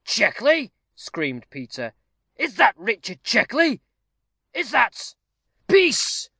"Checkley!" screamed Peter. "Is that Richard Checkley? is that " "Peace!"